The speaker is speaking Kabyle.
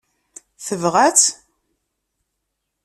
Tebɣa-tt?